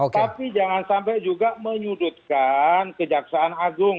tapi jangan sampai juga menyudutkan kejaksaan agung